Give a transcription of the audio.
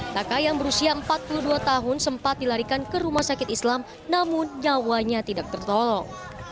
taka yang berusia empat puluh dua tahun sempat dilarikan ke rumah sakit islam namun nyawanya tidak tertolong